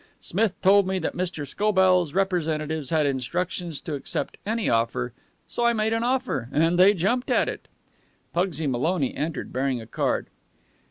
Smith told me that Mr. Scobell's representatives had instructions to accept any offer, so I made an offer, and they jumped at it." Pugsy Maloney entered, bearing a card.